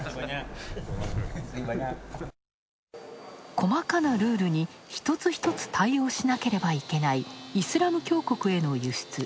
細かなルールに一つ一つ対応しなければいけないイスラム教国への輸出。